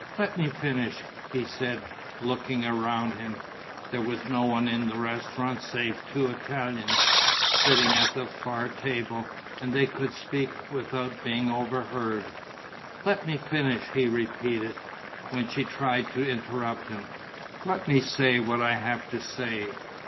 Let me finish," he said, looking around him: there was no one in the restaurant save two Italians, sitting at the far table, and they could speak without being overheard. "Let me finish," he repeated, when she tried to interrupt him. "Let me say what I have to say.